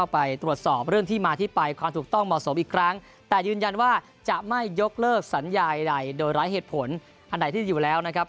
ไปยกเลิกสัญญาไหนโดยหลายเหตุผลอันไหนที่อยู่แล้วนะครับ